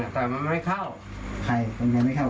แต่มันไม่เข้า